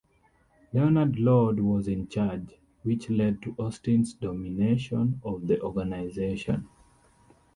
Leonard Lord was in charge, which led to Austin's domination of the organisation.